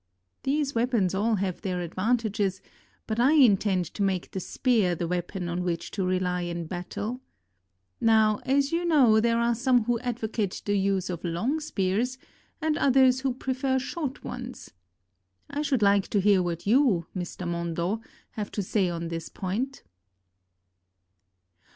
These weapons all have their advantages, but I intend to make the spear the weapon on which to rely in battle. Now, as you know, there are some who advocate the use of long spears and others who prefer short ones. I should like to hear what you, Mr. Mondo, have to say on this point."